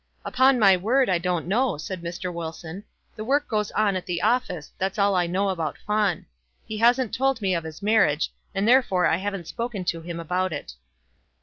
"Upon my word I don't know," said Mr. Wilson. "The work goes on at the office; that's all I know about Fawn. He hasn't told me of his marriage, and therefore I haven't spoken to him about it."